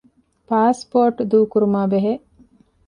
ޕާސްޕޯޓް ދޫކުރުމާބެހޭ